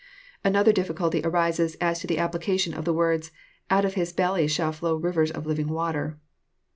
Another difficulty arises as to the application of the words, " Out of his belly shall flow rivers of living water."